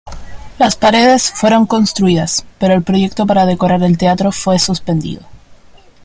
Las paredes fueron construidas, pero el proyecto para decorar el teatro fue suspendido.